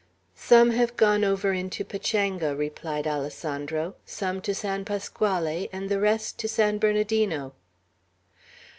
"Some have gone over into Pachanga," replied Alessandro, "some to San Pasquale, and the rest to San Bernardino."